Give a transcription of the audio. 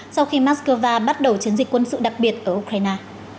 sau khi moscow bắt đầu chiến dịch quân sự đặc biệt ở ukraine